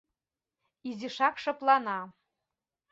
Изишак шыплана.